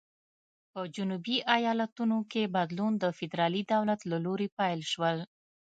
په جنوبي ایالتونو کې بدلون د فدرالي دولت له لوري پیل شول.